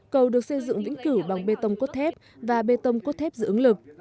cầu được xây dựng vĩnh cửu bằng bê tông cốt thép và bê tông cốt thép dưỡng lực